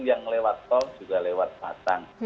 yang lewat tol juga lewat batang